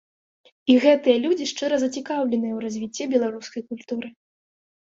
І гэтыя людзі шчыра зацікаўленыя ў развіцці беларускай культуры.